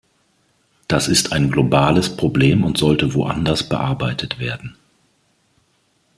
Das ist ein globales Problem und sollte woanders bearbeitet werden.